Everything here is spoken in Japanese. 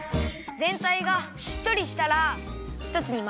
ぜんたいがしっとりしたらひとつにまとめます。